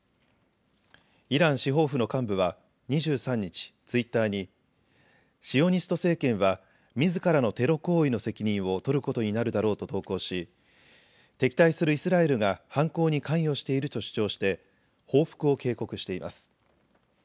イラン司法府の幹部は２３日ツイッターにシオニスト政権はみずからのテロ行為の責任を取ることになるだろうと投稿し敵対するイスラエルが犯行に関与していると主張して報復を警告しています。